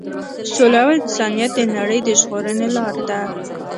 سوله او انسانیت د نړۍ د ژغورنې لار ده.